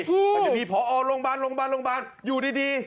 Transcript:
มันจะมีผอโรงพยาบาลโรงพยาบาลโรงพยาบาลอยู่ดี